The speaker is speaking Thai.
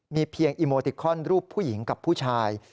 มีเพียงอีโมติคอนรูปผู้หญิงกับผู้ชาย